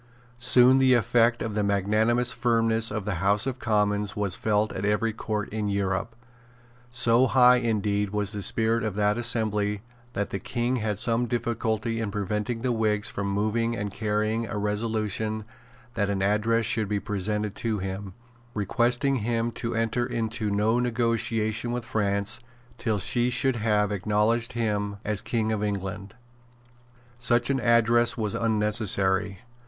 Soon the effect of the magnanimous firmness of the House of Commons was felt at every Court in Europe. So high indeed was the spirit of that assembly that the King had some difficulty in preventing the Whigs from moving and carrying a resolution that an address should be presented to him, requesting him to enter into no negotiation with France, till she should have acknowledged him as King of England. Such an address was unnecessary.